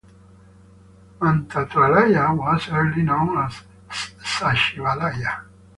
Mantralaya was earlier known as Sachivalaya.